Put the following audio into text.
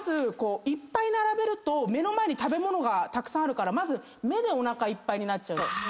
いっぱい並べると目の前に食べ物がたくさんあるからまず目でおなかいっぱいになっちゃう。